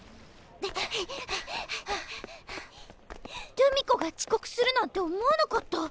留美子がちこくするなんて思わなかった。